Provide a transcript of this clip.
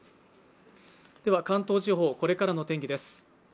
では関東地方これからの天気です。